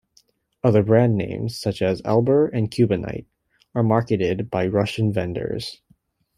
Other brand names, such as Elbor and Cubonite, are marketed by Russian vendors.